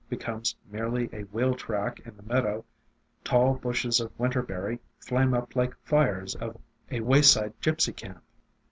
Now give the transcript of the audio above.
becomes merely a wheel track in the meadow, tall bushes of Winter berry flame up like fires of a wayside gypsy camp.